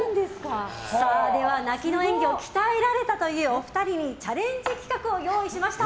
泣きの演技を鍛えられたというお二人にチャレンジ企画を用意しました。